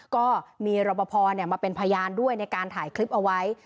ก็มีรบพอมาเป็นพยานด้วยในการถ่ายคลิปเอาไว้